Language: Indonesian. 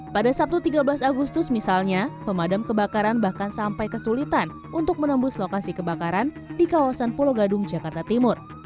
pada sabtu tiga belas agustus misalnya pemadam kebakaran bahkan sampai kesulitan untuk menembus lokasi kebakaran di kawasan pulau gadung jakarta timur